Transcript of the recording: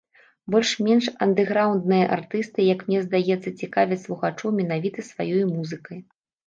Больш-менш андэграўндныя артысты, як мне здаецца, цікавяць слухачоў менавіта сваёй музыкай.